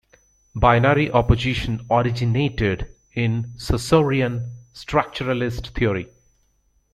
Binary opposition originated in Saussurean structuralist theory.